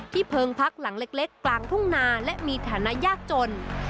เพิงพักหลังเล็กกลางทุ่งนาและมีฐานะยากจน